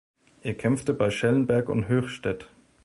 Er kämpfte bei Schellenberg und Höchstädt.